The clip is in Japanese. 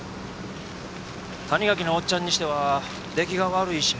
谷垣のおっちゃんにしては出来が悪いしなあ。